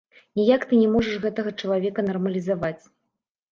Ніяк ты не можаш гэтага чалавека нармалізаваць.